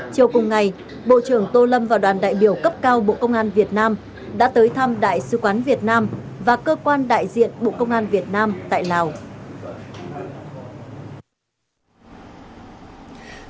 chiều cùng ngày bộ trưởng tô lâm và đoàn đại biểu cấp cao bộ công an việt nam đã tới thăm đại sứ quán việt nam và cơ quan đại diện bộ công an việt nam tại lào